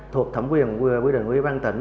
thuộc thẩm quyền quy định ủy ban tỉnh